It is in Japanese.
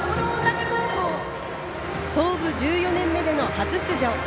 創部１４年目での初出場。